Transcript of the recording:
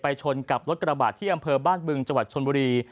ชนกับรถกระบาดที่อำเภอบ้านบึงจังหวัดชนบุรี